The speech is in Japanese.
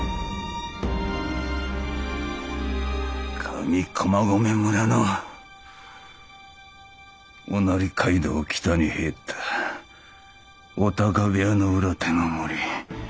上駒込村の御成街道を北に入った御鷹部屋の裏手の森。